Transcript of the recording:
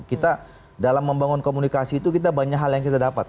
kita dalam membangun komunikasi itu kita banyak hal yang kita dapat